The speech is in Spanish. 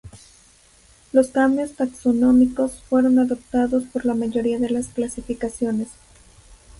Los cambios taxonómicos fueron adoptados por la mayoría de las clasificaciones.